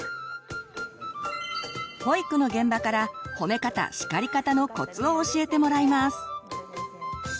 保育の現場から「褒め方・叱り方」のコツを教えてもらいます。